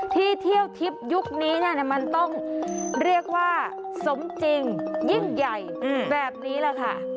ที่เที่ยวทิพย์ยุคนี้มันต้องเรียกว่าสมจริงยิ่งใหญ่แบบนี้แหละค่ะ